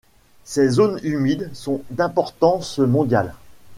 Ces zones humides sont d'importance mondiale.